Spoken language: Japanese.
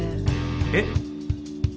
えっ？